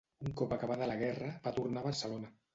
Un cop acabada la guerra, va tornar a Barcelona.